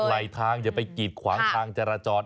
ไหลทางอย่าไปกีดขวางทางจราจร